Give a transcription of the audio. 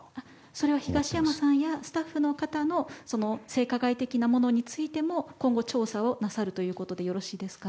それは東山さんやスタッフの方の性加害的なものについても今後調査をなさるということでよろしいですか？